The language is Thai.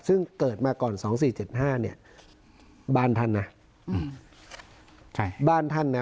ซึ่งเกิดมาก่อน๒๔๗๕เนี่ยบ้านทันนะบ้านทันเนี่ย